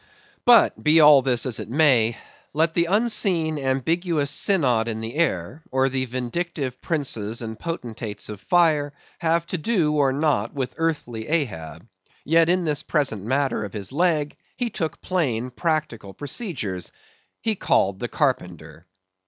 But be all this as it may; let the unseen, ambiguous synod in the air, or the vindictive princes and potentates of fire, have to do or not with earthly Ahab, yet, in this present matter of his leg, he took plain practical procedures;—he called the carpenter.